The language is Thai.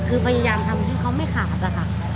คือพยายามทำให้เขาไม่ขาดอะค่ะ